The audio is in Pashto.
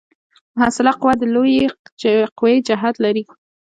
محصله قوه د لویې قوې جهت لري.